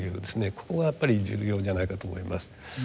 ここがやっぱり重要じゃないかと思います。